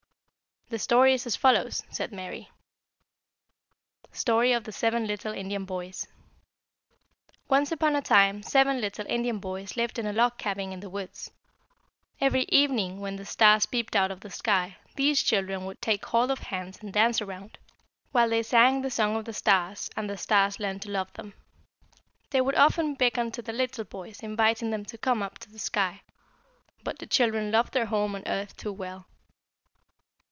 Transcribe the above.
"The story is as follows," said Mary: STORY OF THE SEVEN LITTLE INDIAN BOYS. "Once upon a time seven little Indian boys lived in a log cabin in the woods. Every evening when the stars peeped out of the sky these children would take hold of hands and dance around, while they sang the 'Song of the Stars,' and the stars learned to love them. They would often beckon to the little boys, inviting them to come up to the sky; but the children loved their home on earth too well.